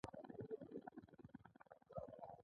پالیسي له قانون سره توپیر لري.